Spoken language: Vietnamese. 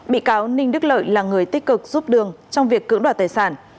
bị cáo ninh đức lợi là người tích cực giúp đường trong việc cưỡng đoạt tài sản